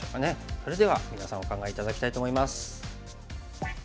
それでは皆さんお考え頂きたいと思います。